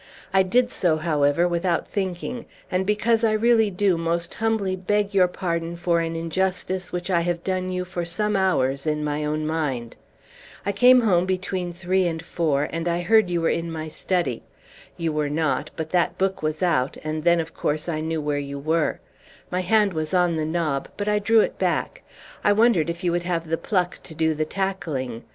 I did so, however, without thinking, and because I really do most humbly beg your pardon for an injustice which I have done you for some hours in my own mind. I came home between three and four, and I heard you were in my study. You were not, but that book was out; and then, of course, I knew where you were. My hand was on the knob, but I drew it back. I wondered if you would have the pluck to do the tackling!